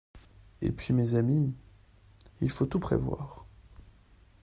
Et puis, mes amis, il faut tout prévoir